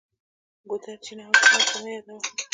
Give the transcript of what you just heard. ګودر، چینه او چنار خو مه یادوه.